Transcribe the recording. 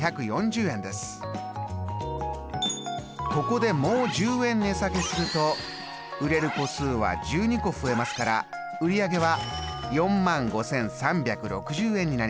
ここでもう１０円値下げすると売れる個数は１２個増えますから売り上げは４万５，３６０円になります。